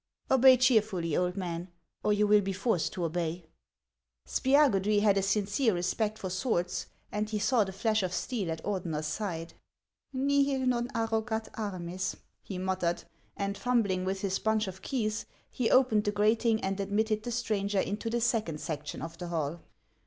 Obey cheerfully, old man, or you will be forced to obey." Spiagudry had a sincere respect for swords, and he saw the flash of steel at Ordener's side. " NihH linn arroyat armis" he muttered; and fum bling with his bunch of keys, he opened the grating, and admitted the stranger into the second section of the hall.